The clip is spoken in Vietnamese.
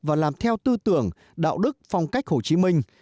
và làm theo tư tưởng đạo đức phong cách hồ chí minh